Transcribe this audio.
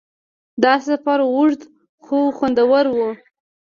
دا سفر اوږد خو خوندور و.